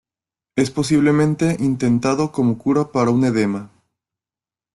Es posiblemente intentado como cura para un edema.